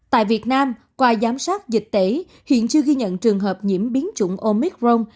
tại việt nam qua giám sát dịch tễ hiện chưa ghi nhận trường hợp nhiễm biến chủng omicron